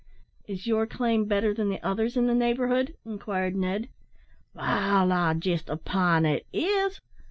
"Is your claim better than the others in the neighbourhood?" inquired Ned. "Wall, I jest opine it is.